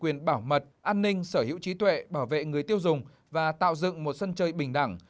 quyền bảo mật an ninh sở hữu trí tuệ bảo vệ người tiêu dùng và tạo dựng một sân chơi bình đẳng